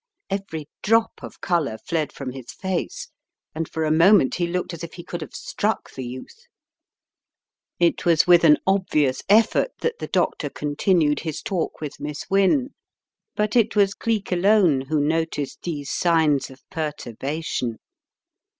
Every drop of colour fled from his face, and for a moment he looked as if he could have struck the youth. 185 186 The Riddle of the Purple Emperor It was with an obvious effort that the doctor con tinued his talk with Miss Wynne, but it was Cleek alone who noticed these signs of perturbation.